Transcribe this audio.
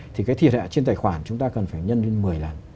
thì cái thiệt hại trên tài khoản chúng ta cần phải nhân lên một mươi lần